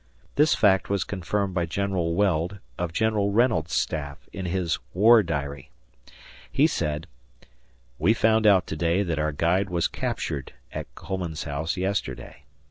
This fact was confirmed by General Weld, of General Reynolds's staff, in his "War Diary." He said: We found out to day that our guide was captured at Coleman's house yesterday.